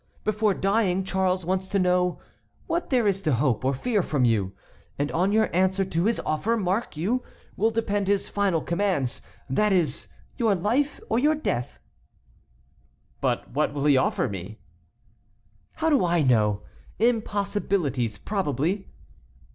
Before dying Charles wants to know what there is to hope or fear from you. And on your answer to his offer, mark you, will depend his final commands, that is, your life or death." "But what will he offer me?" "How do I know? Impossibilities, probably."